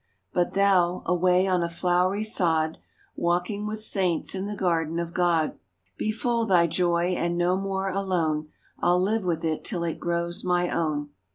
But thou, — away on a flowery sod Walking with saints in the garden of God Be full thy joy, and no more alone, I'll live with it till it grows my own.